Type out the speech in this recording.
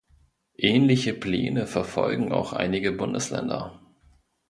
Ähnliche Pläne verfolgen auch einige Bundesländer.